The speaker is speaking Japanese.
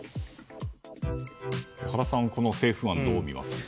原さん、この政府案はどう見ますか？